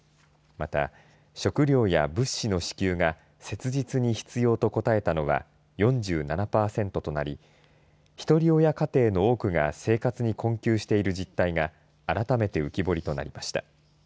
また、食料や物資の支給が切実に必要と答えたのは４７パーセントとなりひとり親家庭の多くが生活に困窮している実態が改めて浮き彫りとなりました。